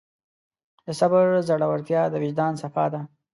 د صبر زړورتیا د وجدان صفا ده.